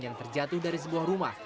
yang terjatuh dari sebuah rumah